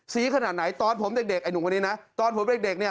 ขนาดไหนตอนผมเด็กไอ้หนุ่มคนนี้นะตอนผมเด็กเนี่ย